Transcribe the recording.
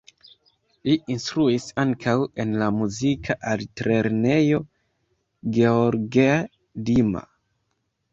Li instruis ankaŭ en la Muzika Altlernejo Gheorghe Dima.